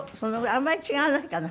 あんまり違わないかな？